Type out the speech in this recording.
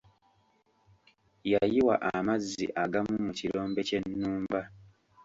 Yayiwa amazzi agamu mu kirombe ky'ennumba.